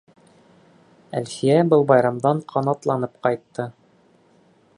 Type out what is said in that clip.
Әлфиә был байрамдан ҡанатланып ҡайтты.